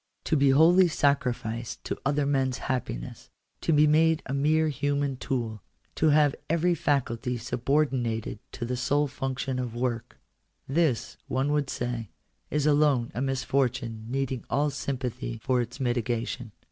To be wholly sacrificed to other men's happiness ; to be made a mere human tool ; to have every faculty subordinated to the sole function of work — this, one would say, is alone a misfortune, needing all sympathy for its mitigation.